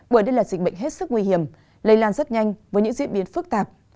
bởi đây là dịch bệnh hết sức nguy hiểm lây lan rất nhanh với những diễn biến phức tạp